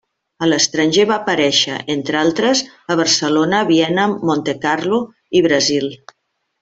A l'estranger va aparèixer, entre altres, a Barcelona, Viena, Montecarlo i Brasil.